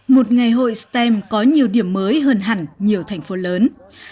một ngày hội stem có nhiều điểm mới hơn hẳn nhiều thành phố lớn